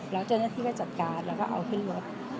แล้วเจ้าหน้าที่ก็จัดการแล้วก็เอาขึ้นรถ